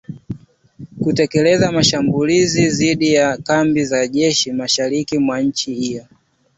kutekeleza mashambulizi dhidi ya kambi za jeshi mashariki mwa nchi hiyo